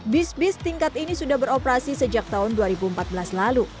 bis bis tingkat ini sudah beroperasi sejak tahun dua ribu empat belas lalu